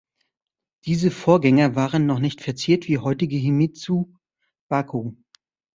Diese Vorgänger waren noch nicht verziert wie heutige Himitsu Bako.